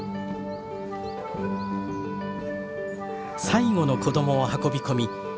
最後の子供を運び込み